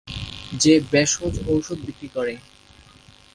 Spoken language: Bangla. যে ভেষজ ঔষধ বিক্রি করে।